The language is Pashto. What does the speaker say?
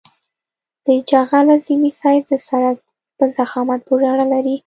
د جغل اعظمي سایز د سرک په ضخامت پورې اړه لري